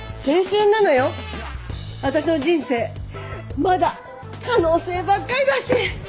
私の人生まだ可能性ばっかりだし。